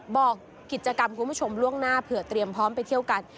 บอกกิจกรรมคุณผู้ชมล่วงหน้าเผื่อเตรียมพร้อมไปเที่ยวกัน